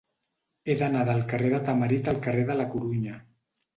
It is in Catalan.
He d'anar del carrer de Tamarit al carrer de la Corunya.